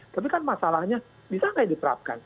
tapi kan masalahnya bisa nggak diterapkan